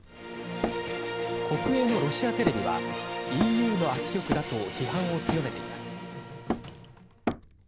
国営のロシアテレビはＥＵの圧力だと批判を強めています。